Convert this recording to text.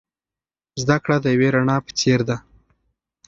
زده کړه د یوې رڼا په څیر ده.